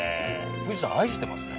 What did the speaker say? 富士山愛してますね